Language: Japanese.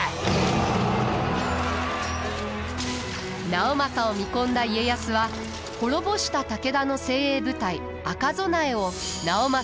直政を見込んだ家康は滅ぼした武田の精鋭部隊赤備えを直政に預けました。